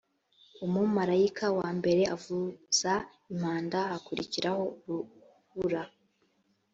umumarayika wa mbere avuza impanda hakurikiraho urubura